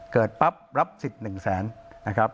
เกิดปั๊บรับสิทธิ์๑๐๐๐๐๐บาท